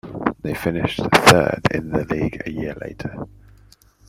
They finished third in the league a year later.